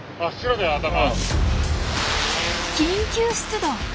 緊急出動！